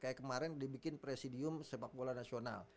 kayak kemarin dibikin presidium sepak bola nasional